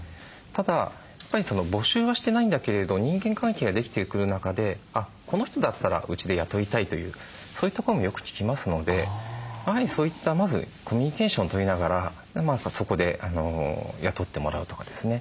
ただ募集はしてないんだけれど人間関係ができてくる中で「この人だったらうちで雇いたい」というそういった声もよく聞きますのでやはりそういったまずコミュニケーション取りながらそこで雇ってもらうとかですね